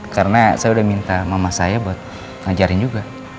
karena saya udah minta mama saya buat ngajarin juga